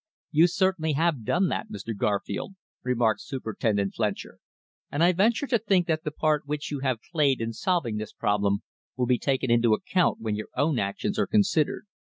"You certainly have done that, Mr. Garfield," remarked Superintendent Fletcher. "And I venture to think that the part which you have played in solving this problem will be taken into account when your own actions are considered."